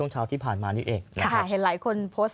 นอกจากนั้นคุณผู้ชมเรื่องของสิ่งอำนวยความสะดวก